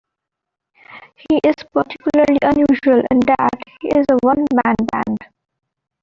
He is particularly unusual in that he is a one-man band.